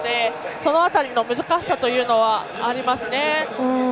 その辺りの難しさというのはありますね。